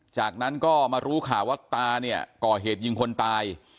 จากนั้นก็มารู้ข่าวว่าตาเนี่ยก่อเหตุยิงคนตาย